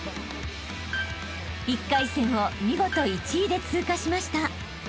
［１回戦を見事１位で通過しました］